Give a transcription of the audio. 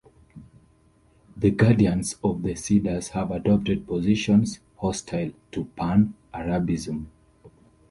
The Guardians of the Cedars have adopted positions hostile to Pan-Arabism.